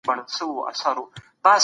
د کندهار په ودونو کي کوم خواړه دود دي؟